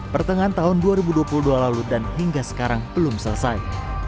pertengahan tahun dua ribu dua puluh dua lalu dan hingga sekarang belum selesai